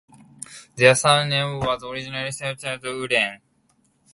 Their surname was originally spelled Uren.